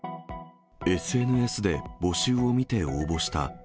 ＳＮＳで募集を見て応募した。